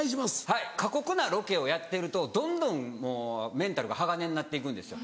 はい過酷なロケをやってるとどんどんメンタルが鋼になって行くんですよ。